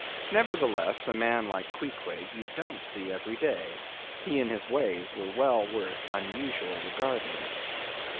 Nevertheless, a man like Queequeg you don't see every day, he and his ways were well worth unusual regarding.